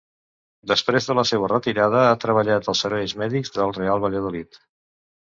Després de la seua retirada, ha treballat als serveis mèdics del Real Valladolid.